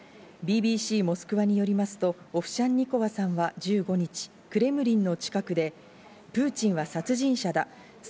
ＢＢＣモスクワによりますと、オフシャンニコワさんは１５日、クレムリンの近くでプーチンは殺人者だ。